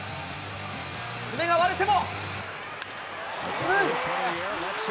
爪が割れても。